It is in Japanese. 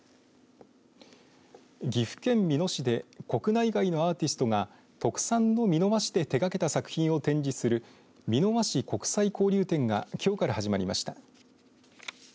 岐阜県美濃市で国内外のアーティストが特産の美濃和紙で手がけた作品を展示する美濃和紙国際交流展がきょうから始まりました。